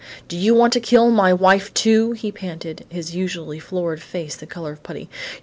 "Do you want to kill my wife, too?" he panted, his usually florid face the color of putty.